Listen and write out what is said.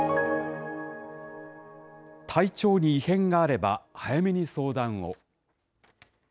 体調に異変があれば、早めに相談を。